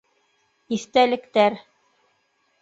Иҫтәлектәр